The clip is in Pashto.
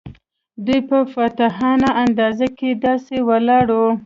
دوی په فاتحانه انداز کې داسې ولاړ وو.